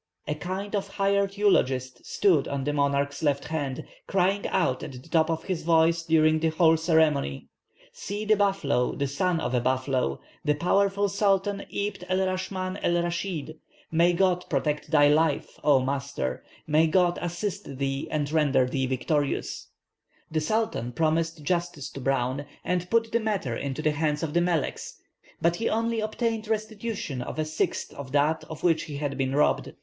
A kind of hired eulogist stood on the monarch's left hand, crying out at the top of his voice during the whole ceremony, 'See the buffalo, the son of a buffalo, the powerful Sultan Abd el Raschman El rashid. May God protect thy life, O master, may God assist thee and render thee victorious.'" [Illustration: "I found the monarch seated on his throne."] The Sultan promised justice to Browne, and put the matter into the hands of the meleks, but he only obtained restitution of a sixth of that of which he had been robbed.